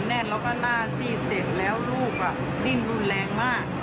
แน่นแล้วก็หน้าซีดเสร็จแล้วลูกดิ้นรุนแรงมาก